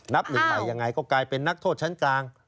นับหนึ่งใหม่ยังไงก็กลายเป็นนักโทษชั้นกลาง